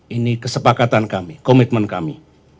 ini kesepakatan kami komitmen kami